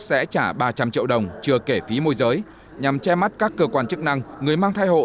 sẽ trả ba trăm linh triệu đồng chưa kể phí môi giới nhằm che mắt các cơ quan chức năng người mang thai hộ